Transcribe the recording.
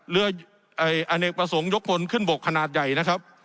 เรืออเนกประสงค์ยกพลขึ้นบกขนาดใหญ่นะครับ